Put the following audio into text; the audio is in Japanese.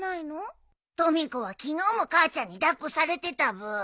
とみ子は昨日も母ちゃんに抱っこされてたブー。